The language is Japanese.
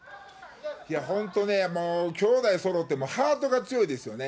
本当ね、兄妹そろってハートが強いですよね。